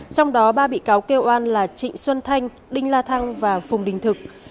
trong đó ba bị cáo kêu oan là trịnh xuân thanh đinh la thăng và phùng đình thực